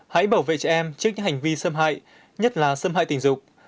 hãy bảo vệ trẻ em trước những hành vi xâm hại nhất là xâm hại tình dục